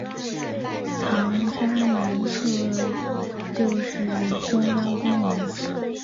糖山南侧就是中央公园。